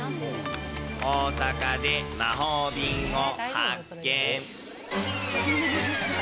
大阪で魔法瓶を発見。